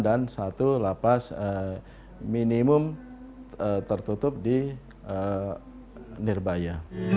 dan satu lapas minimum tertutup di nirbaya